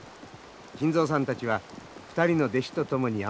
金蔵さんたちは２人の弟子と共に山に入りました。